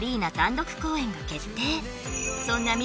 そんなＭ！